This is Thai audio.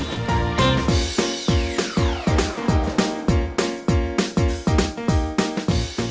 สอง